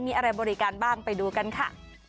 มีอะไรบริการบ้างไปดูกันค่ะ